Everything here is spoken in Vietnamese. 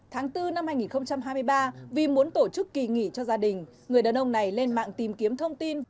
tháng bốn năm hai nghìn hai mươi ba vì muốn tổ chức kỳ nghỉ cho gia đình người đàn ông này lên mạng tìm kiếm thông tin